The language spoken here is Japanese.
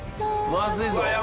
まずいぞ。